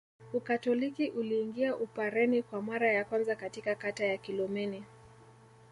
Ukatoliki uliingia Upareni kwa mara ya kwanza katika kata ya Kilomeni